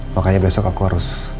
makanya besok aku harus